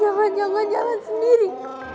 siapa yang naruh di sini ya